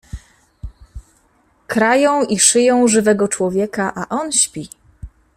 Krają i szyją żywego człowieka, a on śpi.